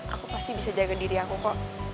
aku pasti bisa jaga diri aku kok